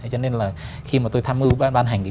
cho nên là khi mà tôi tham mưu ban hành